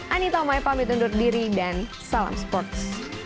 anita mai pamit undur diri dan salam sports